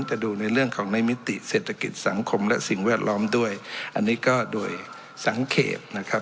จะดูในเรื่องของในมิติเศรษฐกิจสังคมและสิ่งแวดล้อมด้วยอันนี้ก็โดยสังเกตนะครับ